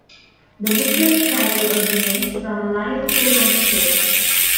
The booklet's title originates from a line of the Lord's Prayer.